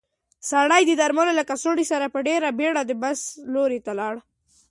سړی د درملو له کڅوړې سره په ډېرې بیړې د بس لور ته لاړ.